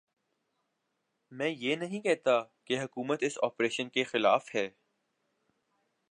میں یہ نہیں کہتا کہ حکومت اس آپریشن کے خلاف ہے۔